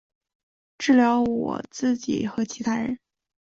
治疗我自己和其他人